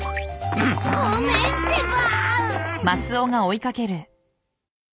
ごめんてば！